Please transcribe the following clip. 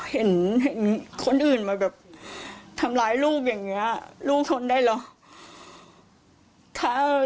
เห็นคนอื่นมาแบบทำร้ายลูกอย่างนี้ลูกทนได้เหรอ